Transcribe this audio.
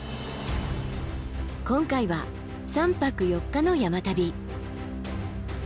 今回は３泊４日の山旅。